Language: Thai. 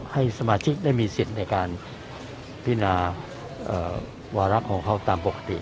ให้สมาชิกได้มีสิทธิ์ในการพินาวาระของเขาตามปกติ